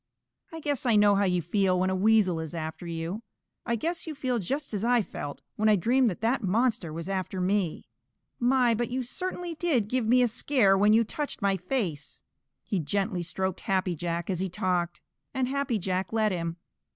I guess I know how you feel when a Weasel is after you. I guess you feel just as I felt when I dreamed that that monster was after me. My, but you certainly did give me a scare when you touched my face!" He gently stroked Happy Jack as he talked, and Happy Jack let him.